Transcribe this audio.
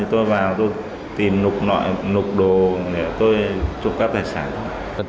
tôi vào tôi tìm nục nội nục đồ để tôi trộm cắp tài sản